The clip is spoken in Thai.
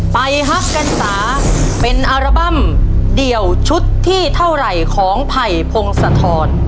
ฮักกันตาเป็นอัลบั้มเดี่ยวชุดที่เท่าไหร่ของไผ่พงศธร